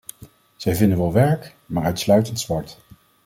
Zij vinden wel werk, maar uitsluitend zwart.